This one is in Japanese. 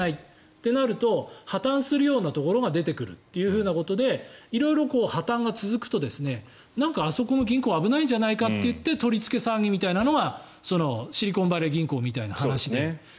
となると破たんするようなところが出てくるということで色々、破たんが続くとなんか、あそこの銀行危ないんじゃないかといって取り付け騒ぎみたいなのがシリコンバレー銀行みたいな話で。